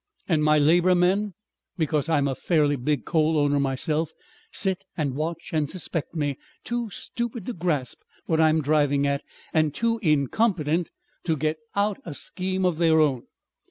And my labour men, because I'm a fairly big coal owner myself, sit and watch and suspect me, too stupid to grasp what I am driving at and too incompetent to get out a scheme of their own.